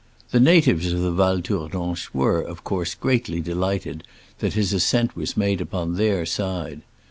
The natives of Val Tournanche were, of course, greatly delighted that his ascent was made upon their side.